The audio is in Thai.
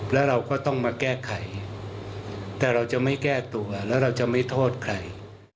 แล้วเราก็ต้องมาแก้ไขแต่เราจะไม่แก้ตัวแล้วเราจะไม่โทษใคร